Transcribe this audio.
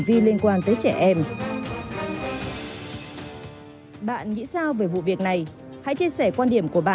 vi phạm đó